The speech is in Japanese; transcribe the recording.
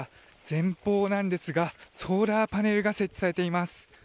前方なんですがソーラーパネルが設置されています。